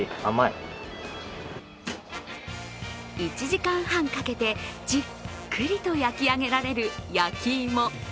１時間半かけてじっくりと焼き上げられる、焼き芋。